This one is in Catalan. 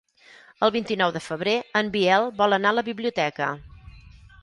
El vint-i-nou de febrer en Biel vol anar a la biblioteca.